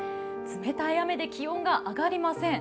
冷たい雨で気温が上がりません。